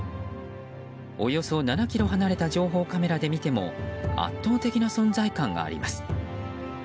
およそ７ｋｍ離れた情報カメラで見ても圧倒的な存在感があります。